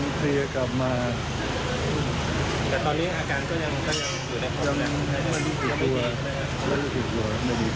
ไม่ได้ผิดตัวไม่ได้ผิดตัวไม่ได้ผิด